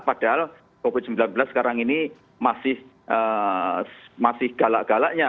padahal covid sembilan belas sekarang ini masih galak galaknya